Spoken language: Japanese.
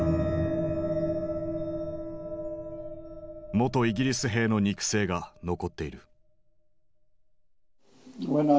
元イギリス兵の肉声が残っている。